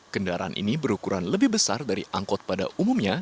kendaraan ini berukuran lebih besar dari angkot pada umumnya